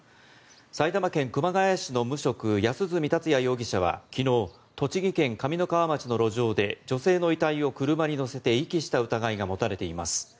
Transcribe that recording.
埼玉県熊谷市の無職安栖達也容疑者は昨日栃木県上三川町の路上で女性の遺体を車に乗せて遺棄した疑いが持たれています。